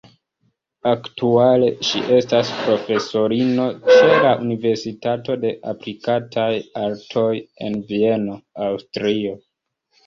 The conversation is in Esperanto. Aktuale ŝi estas profesorino ĉe la Universitato de aplikataj artoj en Vieno, Aŭstrio.